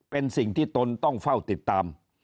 เป็นสิ่งที่ตนต้องเฝ้าติดตาม